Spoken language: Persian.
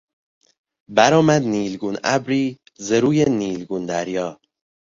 برآمد نیلگون ابری زروی نیلگون دریا